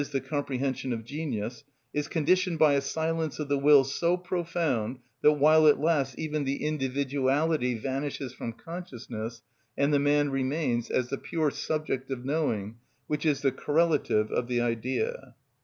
_, the comprehension of genius, is conditioned by a silence of the will so profound that while it lasts even the individuality vanishes from consciousness and the man remains as the pure subject of knowing, which is the correlative of the Idea.